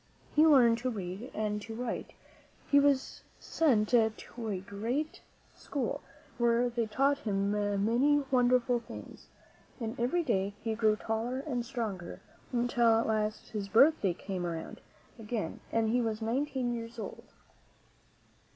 He learned to read and to write ; he went to a great school where they taught him many won derful things, and every day he grew taller and stronger, until at last his birthday came around again and he was nineteen years old.